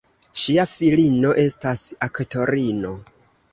Ŝia filino estas aktorino.